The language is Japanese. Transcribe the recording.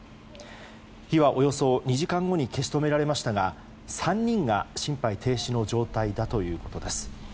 火はおよそ２時間後に消し止められましたが３人が心肺停止の状態だということです。